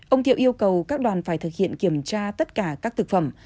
ông thiệu yêu cầu các đoàn phải thực hiện kiểm tra tất cả các thực phẩm